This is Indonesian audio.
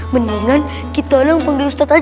mendingan kita lang panggil ustaz aja kak